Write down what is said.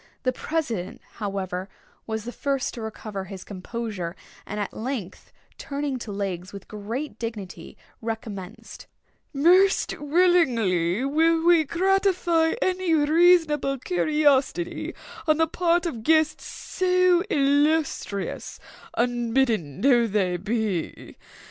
The president, however, was the first to recover his composure, and at length, turning to Legs with great dignity, recommenced: "Most willingly will we gratify any reasonable curiosity on the part of guests so illustrious, unbidden though they be.